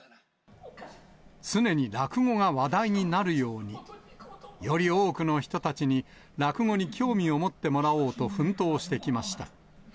常に落語が話題になるように、より多くの人たちに落語に興味を持ってもらおうと奮闘してきました。